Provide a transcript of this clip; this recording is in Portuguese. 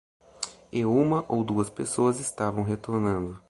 E uma ou duas pessoas estavam retornando.